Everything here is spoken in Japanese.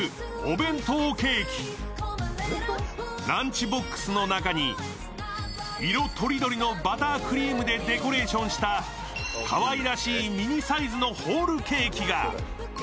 ランチボックスの中に色とりどりのバタークリームでデコレーションしたかわいらしいミニサイズのホールケーキが。